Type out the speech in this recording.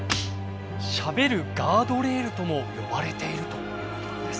「しゃべるガードレール」とも呼ばれているということなんです。